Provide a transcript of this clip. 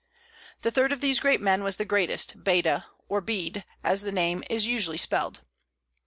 The third of these great men was the greatest, Baeda, or Bede, as the name is usually spelled.